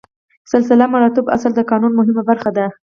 سلسله مراتبو اصل د قانون مهمه برخه ده.